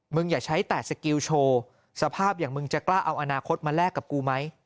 อย่าใช้แต่สกิลโชว์สภาพอย่างมึงจะกล้าเอาอนาคตมาแลกกับกูไหม